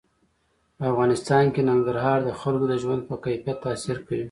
په افغانستان کې ننګرهار د خلکو د ژوند په کیفیت تاثیر کوي.